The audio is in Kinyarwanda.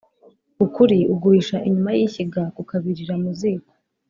Ukuri uguhisha inyuma y’ishyiga kukabirira mu ziko